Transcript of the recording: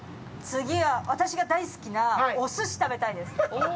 次は、私が大好きなおすし食べたいです。